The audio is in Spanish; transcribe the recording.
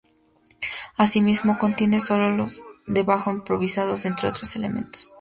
Asimismo, contienen solos de bajo improvisados entre otros elementos.